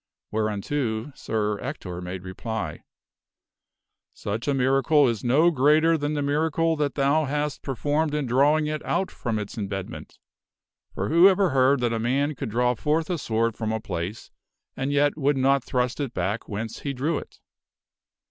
Whereunto Sir Ector made reply, " Such a miracle is no greater than the miracle that thou hast performed in drawing it out from its embedment. For who ever heard that a man could draw forth a sword from a place and yet would not thrust it back whence he drew it